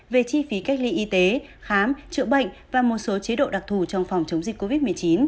về chi phí cách ly y tế khám chữa bệnh và một số chế độ đặc thù trong phòng chống dịch covid một mươi chín